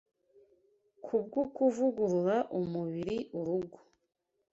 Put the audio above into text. Kubw 'kuvugurura umubiri' urugo